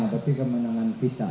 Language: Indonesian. berarti kemenangan kita